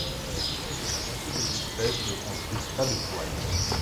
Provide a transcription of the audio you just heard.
Plus de la moitié des espèces ne construisent pas de toile.